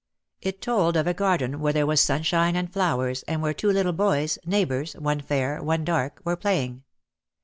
It told of a garden where there was sunshine and flowers and where two little boys, neighbours, one fair, one dark, were playing.